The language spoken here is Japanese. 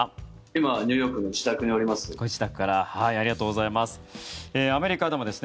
今、ニューヨークの自宅におります。